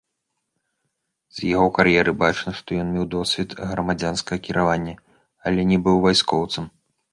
З яго кар'еры бачна, што ён меў досвед грамадзянскага кіравання, але не быў вайскоўцам.